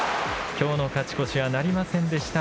きょうの勝ち越しはなりませんでした。